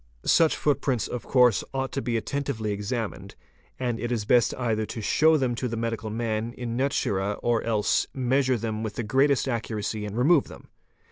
Such footprints ought of course to be attentively examined, and it is best either to show them to the medical man in naturd or else measure them with the greatest accuracy and remove them.